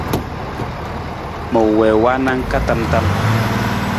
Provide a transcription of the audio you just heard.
Ma wii waana ka tam tam.